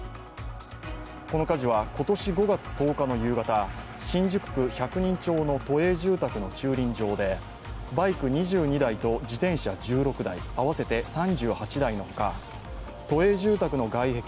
この火事は今年５月１０日の夕方、新宿区百人町の都営住宅の駐輪場でバイク２２台と自転車１６台合わせて３８台の他都営住宅の外壁